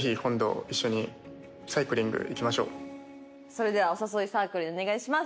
それではお誘いサークルにお願いします。